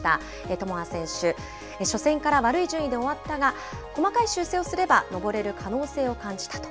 智亜選手、初戦から悪い順位で終わったが、細かい修正をすれば登れる可能性を感じたと。